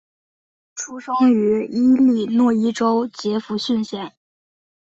出生于伊利诺伊州杰佛逊县。